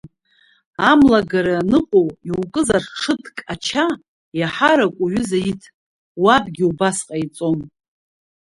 Амлагара аныҟоу иукызар ҽыҭк ача, аиҳарак уҩыза иҭ уабгьы убас ҟаиҵон…